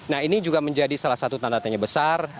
nah ini juga menjadi salah satu tanda tanya besar